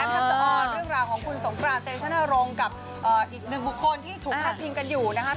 เรื่องราวของคุณสงกราศเตชนรงค์กับอีกหนึ่งคนที่ถูกคัดพิมพ์กันอยู่นะคะ